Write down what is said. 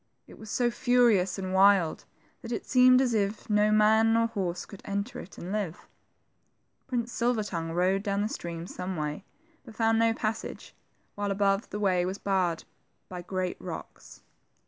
It was so furious and wild that it seemed as if no man nor horse could enter it and live. Prince Silver tongue rode down the stream some way, but found iio pas sage, while above, the way was barred by great rocks.